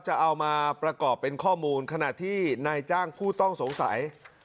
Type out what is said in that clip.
จะเอามาประกอบเป็นข้อมูลขณะที่นายจ้างผู้ต้องสงสัย